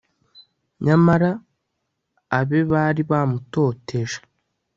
nyamara abe bari bamutoteje